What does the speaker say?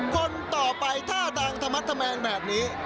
คนต่อไปท่าดังธรรมแมนแบบนี้